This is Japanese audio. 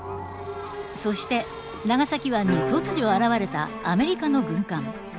そして長崎湾に突如現れたアメリカの軍艦。